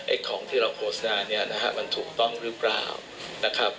ของที่เราโฆษณาเนี่ยนะฮะมันถูกต้องหรือเปล่านะครับ